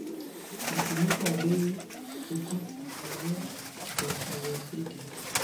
Mfumuko wa bei uko asilimia kwa asilimia sita